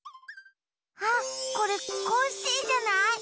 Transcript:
あっこれコッシーじゃない？